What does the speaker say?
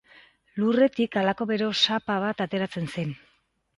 Lurretik halako bero sapa bat ateratzen zen.